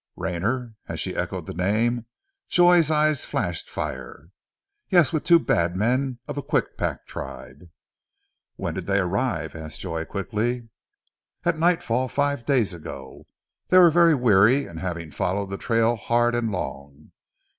"Rayner!" as she echoed the name Joy's eyes flashed fire. "Yes, with two bad men of the Kwikpak tribe." "When did they arrive?" asked Joy quickly. "At nightfall five days ago. They were very weary, having followed the trail hard and long.